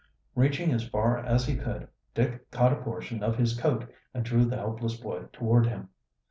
Reaching as far as he could, Dick caught a portion of his coat and drew the helpless boy toward him.